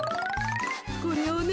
これをね